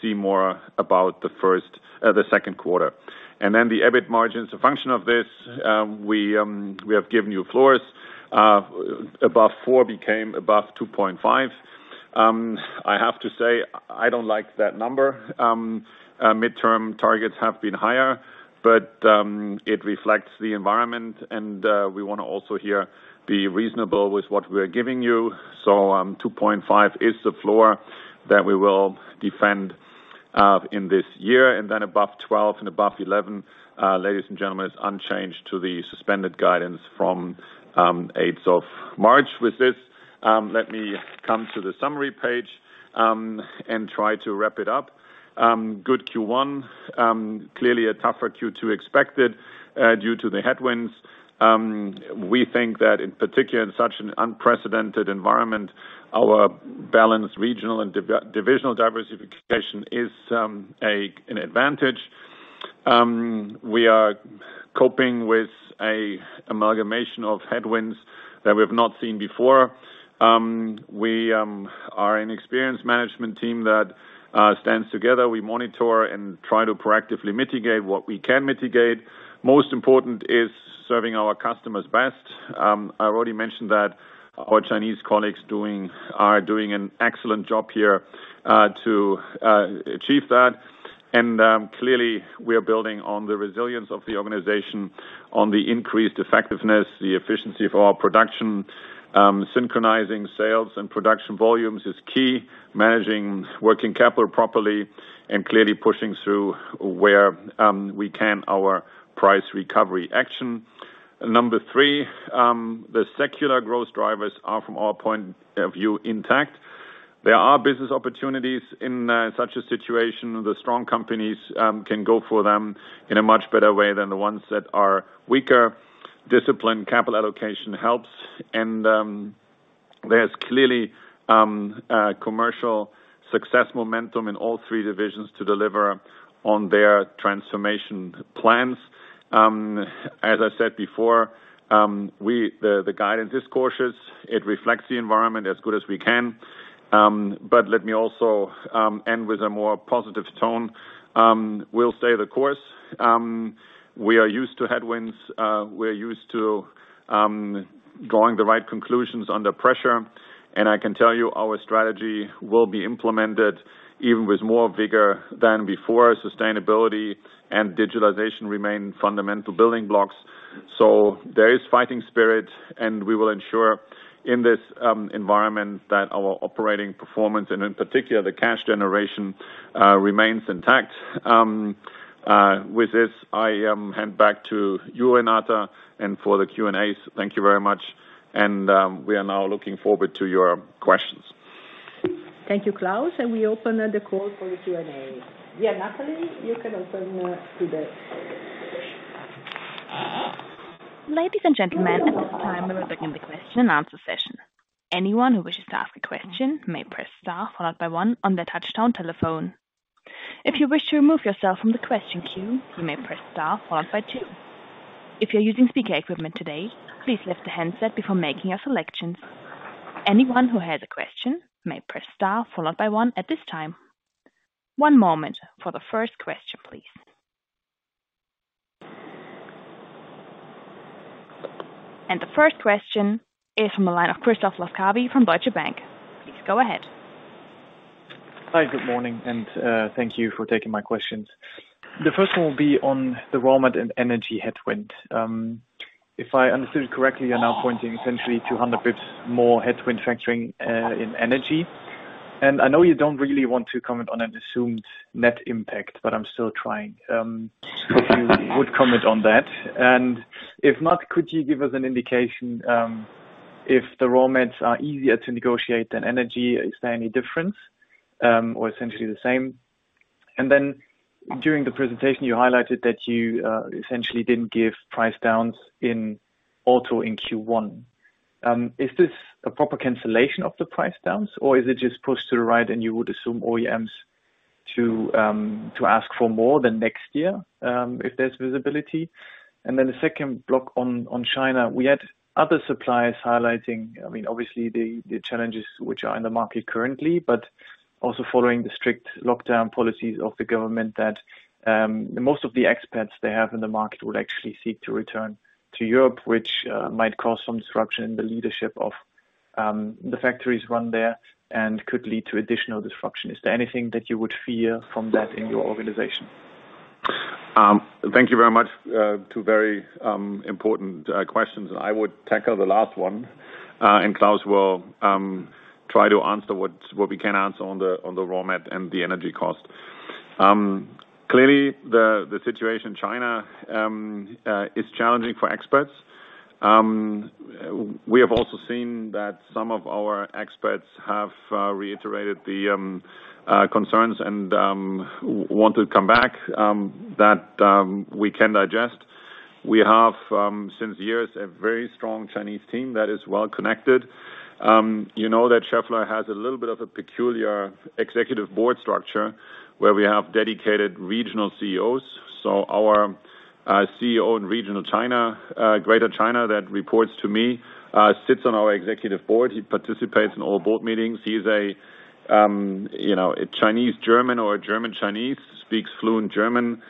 see more about the second quarter. The EBIT margins, a function of this, we have given you floors. Above 4% became above 2.5%. I have to say, I don't like that number. Midterm targets have been higher, but it reflects the environment and we wanna also here be reasonable with what we're giving you. 2.5% is the floor that we will defend in this year, and then above 12% and above 11%, ladies and gentlemen, is unchanged to the suspended guidance from eighth of March. With this, let me come to the summary page and try to wrap it up. Good Q1. Clearly a tougher Q2 expected due to the headwinds. We think that in particular in such an unprecedented environment, our balanced regional and divisional diversification is an advantage. We are coping with an amalgamation of headwinds that we have not seen before. We are an experienced management team that stands together. We monitor and try to proactively mitigate what we can mitigate. Most important is serving our customers best. I already mentioned that our Chinese colleagues are doing an excellent job here to achieve that. Clearly, we are building on the resilience of the organization, on the increased effectiveness, the efficiency of our production. Synchronizing sales and production volumes is key. Managing working capital properly and clearly pushing through where we can our price recovery action. Number three, the secular growth drivers are, from our point of view, intact. There are business opportunities in such a situation. The strong companies can go for them in a much better way than the ones that are weaker. Disciplined capital allocation helps and there's clearly commercial success momentum in all three divisions to deliver on their transformation plans. As I said before, the guidance is cautious. It reflects the environment as well as we can. Let me also end with a more positive tone. We'll stay the course. We are used to headwinds. We're used to drawing the right conclusions under pressure. I can tell you our strategy will be implemented even with more vigor than before. Sustainability and digitalization remain fundamental building blocks. There is fighting spirit, and we will ensure in this environment that our operating performance, and in particular, the cash generation, remains intact. With this, I hand back to you, Renata, and for the Q&As. Thank you very much. We are now looking forward to your questions. Thank you, Klaus. We open the call for the Q&A. Yeah, Natalie, you can open to the question. Ladies and gentlemen, at this time, we are beginning the question and answer session. Anyone who wishes to ask a question may press star followed by one on their touchtone telephone. If you wish to remove yourself from the question queue, you may press star followed by two. If you're using speaker equipment today, please lift the handset before making your selections. Anyone who has a question may press star followed by one at this time. One moment for the first question, please. The first question is from the line of Christoph Laskawi from Deutsche Bank. Please go ahead. Hi. Good morning. Thank you for taking my questions. The first one will be on the raw mat and energy headwind. If I understood correctly, you're now pointing essentially 200 basis points more headwind factoring in energy. I know you don't really want to comment on an assumed net impact, but I'm still trying. If you would comment on that. If not, could you give us an indication if the raw mats are easier to negotiate than energy? Is there any difference or essentially the same? During the presentation you highlighted that you essentially didn't give price downs in auto in Q1. Is this a proper cancellation of the price dumps, or is it just pushed to the right and you would assume OEMs to ask for more than next year, if there's visibility? The second block on China, we had other suppliers highlighting, I mean, obviously the challenges which are in the market currently, but also following the strict lockdown policies of the government that most of the expats they have in the market would actually seek to return to Europe. Which might cause some disruption in the leadership of the factories run there and could lead to additional disruption. Is there anything that you would fear from that in your organization? Thank you very much. Two very important questions. I would tackle the last one, and Klaus will try to answer what we can answer on the raw material and the energy cost. Clearly the situation in China is challenging for expats. We have also seen that some of our expats have reiterated the concerns and want to come back that we can digest. We have, since years, a very strong Chinese team that is well connected. You know that Schaeffler has a little bit of a peculiar executive board structure where we have dedicated regional CEOs. So our CEO in regional China, Greater China, that reports to me, sits on our executive board. He participates in all board meetings. He's a, you know, a Chinese German or German Chinese, speaks fluent German,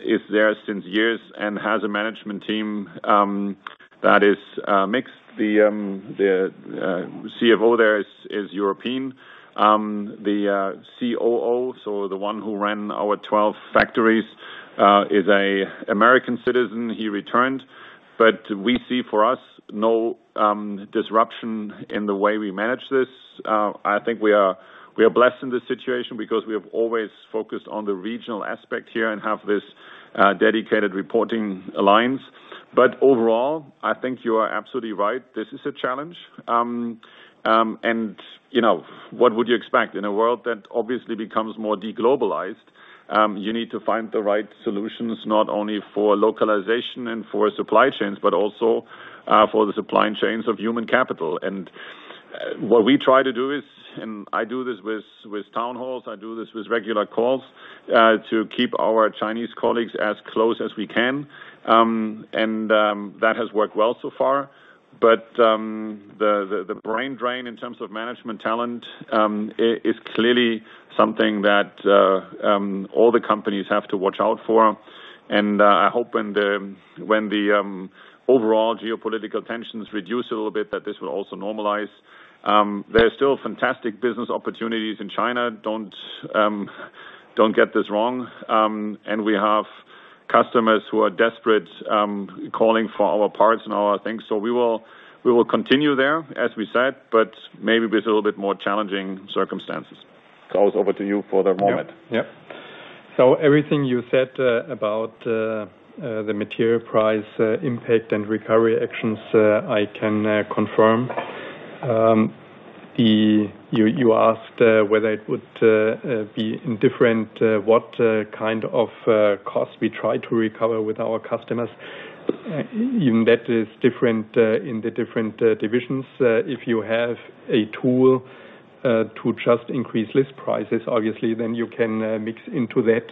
is there since years and has a management team that is mixed. The CFO there is European. The COO, so the one who ran our 12 factories, is an American citizen. He returned. We see for us no disruption in the way we manage this. I think we are blessed in this situation because we have always focused on the regional aspect here and have this dedicated reporting alliance. Overall, I think you are absolutely right. This is a challenge. You know, what would you expect? In a world that obviously becomes more de-globalized, you need to find the right solutions not only for localization and for supply chains, but also, for the supply chains of human capital. What we try to do is, I do this with town halls, I do this with regular calls, to keep our Chinese colleagues as close as we can. That has worked well so far. The brain drain in terms of management talent is clearly something that all the companies have to watch out for. I hope when the overall geopolitical tensions reduce a little bit, that this will also normalize. There are still fantastic business opportunities in China. Don't get this wrong. We have customers who are desperate, calling for our parts and our things. We will continue there, as we said, but maybe with a little bit more challenging circumstances. Klaus, over to you for the moment. Yep. Yep. Everything you said about the material price impact and recovery actions I can confirm. You asked whether it would be different what kind of costs we try to recover with our customers. Even that is different in the different divisions. If you have a tool to just increase list prices, obviously then you can mix into that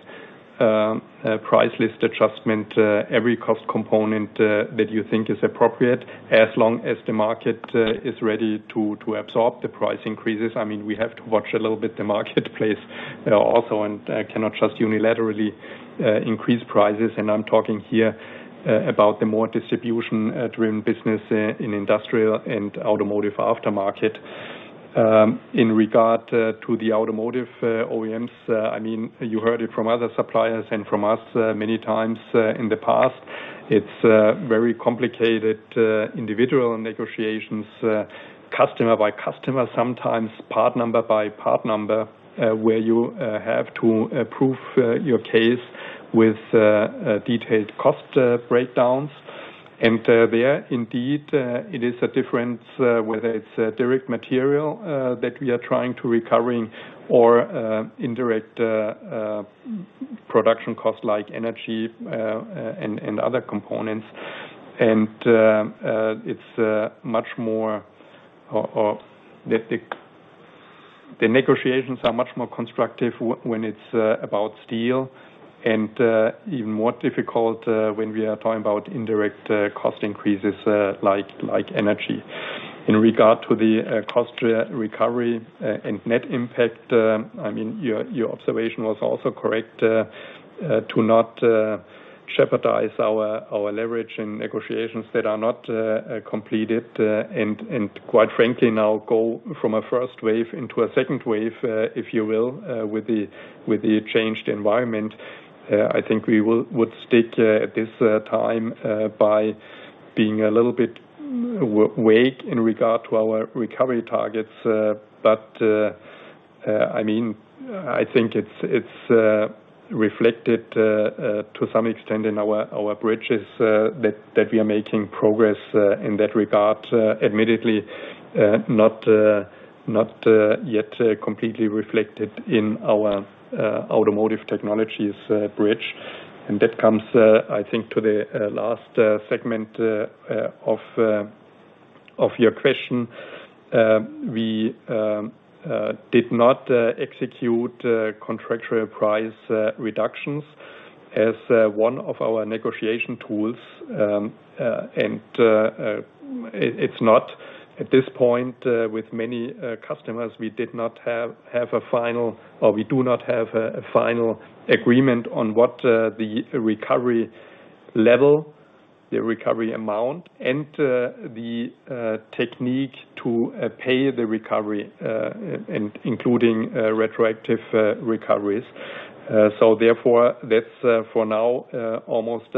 price list adjustment every cost component that you think is appropriate, as long as the market is ready to absorb the price increases. I mean, we have to watch a little bit the marketplace also and cannot just unilaterally increase prices. I'm talking here about the more distribution driven business in Industrial and Automotive Aftermarket. In regard to the automotive OEMs, I mean, you heard it from other suppliers and from us many times in the past. It's very complicated, individual negotiations, customer by customer, sometimes part number by part number, where you have to prove your case with detailed cost breakdowns. There indeed is a difference whether it's direct material that we are trying to recover or indirect production costs like energy and other components. It's much more constructive when it's about steel and even more difficult when we are talking about indirect cost increases like energy. In regard to the cost recovery and net impact, I mean, your observation was also correct to not jeopardize our leverage in negotiations that are not completed, and quite frankly now go from a first wave into a second wave, if you will, with the changed environment. I think we would stick at this time by being a little bit wary in regard to our recovery targets. I mean, I think it's reflected to some extent in our bridges that we are making progress in that regard. Admittedly, not yet completely reflected in our Automotive Technologies bridge. That comes, I think, to the last segment of your question. We did not execute contractual price reductions as one of our negotiation tools. It's not at this point, with many customers we do not have a final agreement on what the recovery level, the recovery amount and the technique to pay the recovery, including retroactive recoveries. Therefore that's for now almost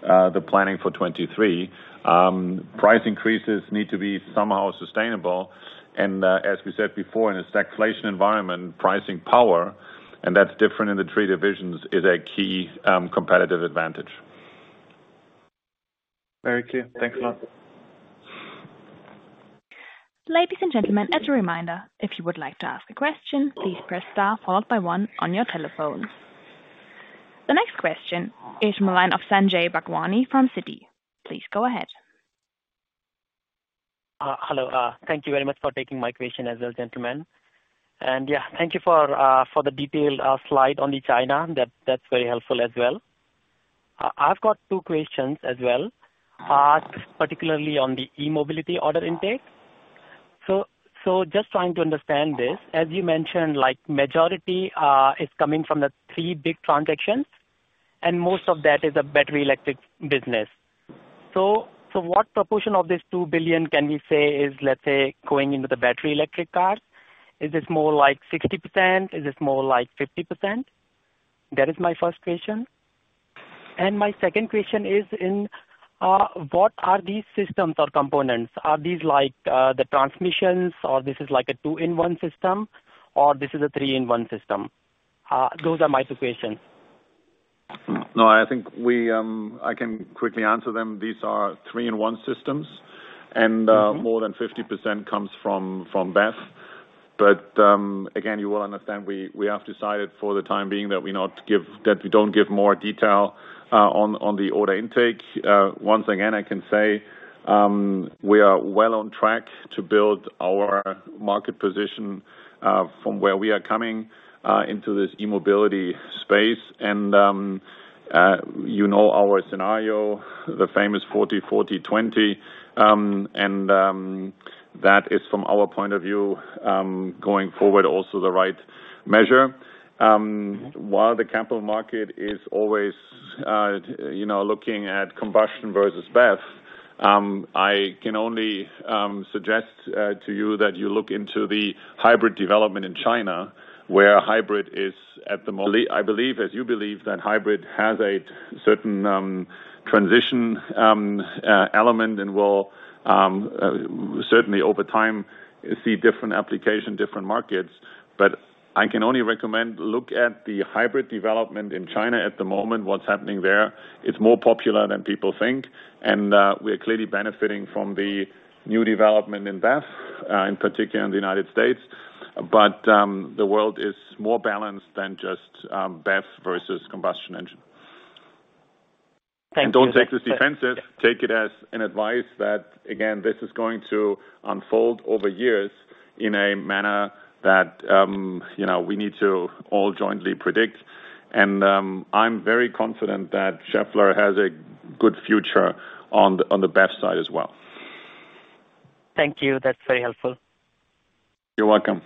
very clear. Thanks a lot. Ladies and gentlemen, as a reminder, if you would like to ask a question, please press star followed by one on your telephone. The next question is from the line of Sanjay Bhagwani from Citi. Please go ahead. Hello. Thank you very much for taking my question as well, gentlemen. Yeah, thank you for the detailed slide on China. That's very helpful as well. I've got two questions as well. Particularly on the E-Mobility order intake. Just trying to understand this, as you mentioned, like majority is coming from the three big transactions, and most of that is a battery electric business. What proportion of this 2 billion can we say is, let's say, going into the battery electric cars? Is this more like 60%? Is this more like 50%? That is my first question. My second question is, what are these systems or components? Are these like the transmissions or this is like a two-in-one system or this is a three-in-one system? Those are my two questions. No, I think I can quickly answer them. These are three-in-one systems, and. Mm-hmm. More than 50% comes from BEV. Again, you will understand, we have decided for the time being that we don't give more detail on the order intake. Once again, I can say, we are well on track to build our market position from where we are coming into this E-Mobility space. You know, our scenario, the famous 40/40/20, that is from our point of view going forward also the right measure. While the capital market is always, you know, looking at combustion versus BEV, I can only suggest to you that you look into the hybrid development in China, where hybrid is. I believe, as you believe, that hybrid has a certain transition element and will certainly over time see different application, different markets. I can only recommend look at the hybrid development in China at the moment, what's happening there. It's more popular than people think, and we are clearly benefiting from the new development in BEV, in particular in the United States, but the world is more balanced than just BEV versus combustion engine. Thank you. Don't take this defensively. Take it as advice that, again, this is going to unfold over years in a manner that, you know, we need to all jointly predict. I'm very confident that Schaeffler has a good future on the BEV side as well. Thank you. That's very helpful. You're welcome.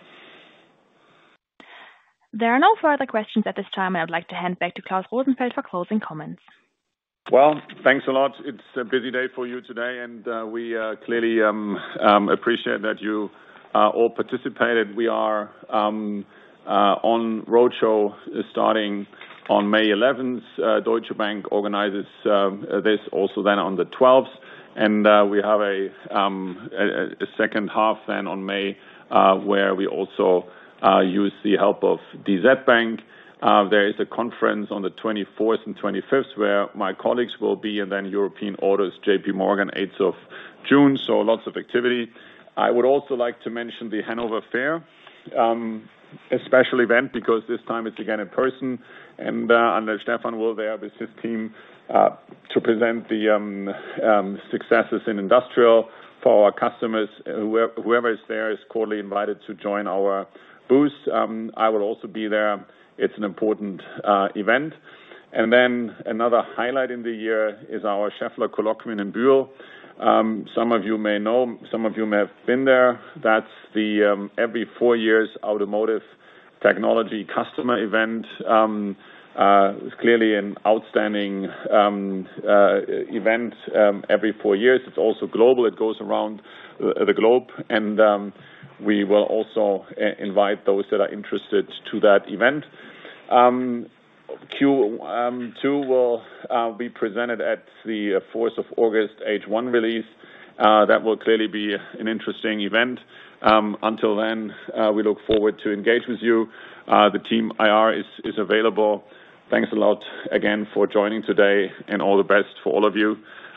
There are no further questions at this time, and I'd like to hand back to Klaus Rosenfeld for closing comments. Well, thanks a lot. It's a busy day for you today, and we clearly appreciate that you all participated. We are on roadshow starting on May 11. Deutsche Bank organizes this also then on the 12th. We have a second half then on May where we also use the help of DZ Bank. There is a conference on the 24th and 25th where my colleagues will be, and then European roadshow, JP Morgan, 8th of June. Lots of activity. I would also like to mention the Hanover Fair, a special event because this time it's again in person. I know Stefan will be there with his team to present the successes in Industrial for our customers. Whoever is there is cordially invited to join our booth. I will also be there. It's an important event. Then another highlight in the year is our Schaeffler Kolloquium in Bühl. Some of you may know, some of you may have been there. That's the every four years automotive technology customer event. It's clearly an outstanding event every four years. It's also global. It goes around the globe. We will also invite those that are interested to that event. Q2 will be presented at the fourth of August H1 release. That will clearly be an interesting event. Until then, we look forward to engage with you. The team IR is available. Thanks a lot again for joining today, and all the best for all of you.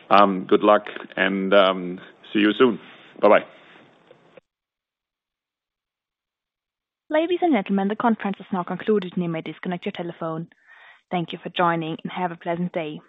Good luck and see you soon. Bye-bye. Ladies and gentlemen, the conference is now concluded. You may disconnect your telephone. Thank you for joining, and have a pleasant day.